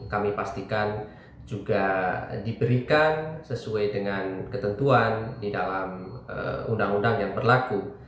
kami pastikan juga diberikan sesuai dengan ketentuan di dalam undang undang yang berlaku